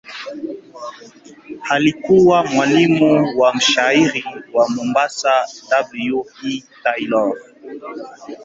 Alikuwa mwalimu wa mshairi wa Mombasa W. E. Taylor.